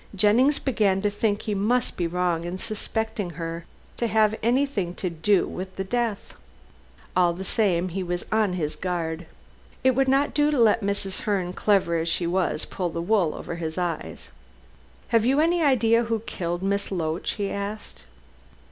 Jennings began to think he must be wrong in suspecting her to have anything to do with the death. All the same, he was on his guard. It would not do to let Mrs. Herne, clever as she was, pull wool over his eyes. "Have you any idea who killed Miss Loach?" he asked.